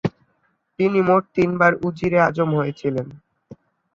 তিনি মোট তিনবার উজিরে আজম হয়েছিলেন।